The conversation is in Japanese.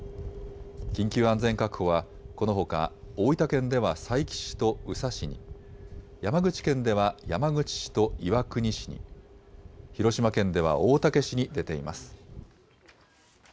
緊急安全確保はこのほか、大分県では佐伯市と宇佐市に、山口県では山口市と岩国市に、広島県では大竹市に出ています。